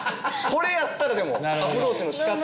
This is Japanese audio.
これやったらでもアプローチのしかた！